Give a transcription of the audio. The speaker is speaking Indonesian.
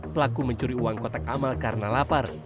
pelaku mencuri uang kotak amal karena lapar